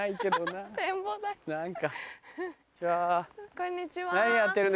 こんにちは。